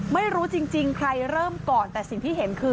ไม่รู้จริงใครเริ่มก่อนแต่สิ่งที่เห็นคือ